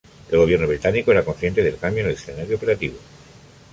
El gobierno británico era consciente del cambio en el escenario operativo.